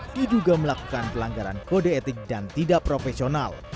diduga melakukan pelanggaran kode etik dan tidak profesional